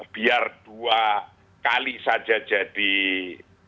biar dua kali saja jadi